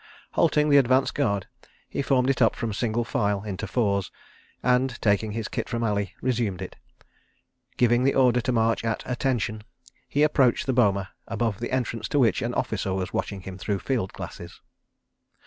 Halting the advance guard, he formed it up from single file into fours; and, taking his kit from Ali, resumed it. Giving the order to march at "attention," he approached the boma, above the entrance to which an officer was watching him through field glasses.